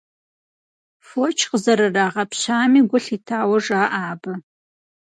Фоч къызэрырагъэпщами гу лъитауэ жаӏэ абы.